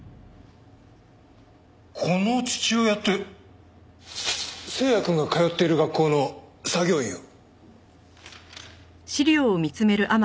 この父親って星也くんが通っている学校の作業員を。